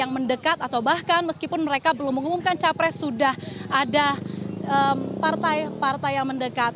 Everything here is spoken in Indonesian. yang mendekat atau bahkan meskipun mereka belum mengumumkan capres sudah ada partai partai yang mendekat